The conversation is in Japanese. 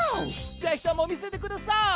ぜひとも見せてください！